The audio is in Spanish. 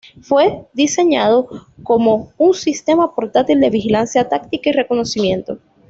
Fue diseñado como un sistema portátil de vigilancia táctica y reconocimiento.